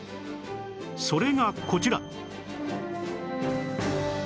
それがこちら